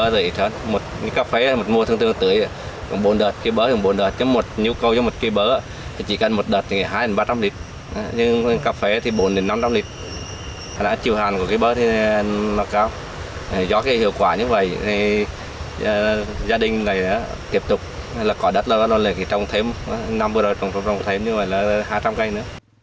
do hiệu quả như vậy gia đình này tiếp tục có đất lớn trồng thêm năm vừa rồi trồng thêm hai trăm linh cây nữa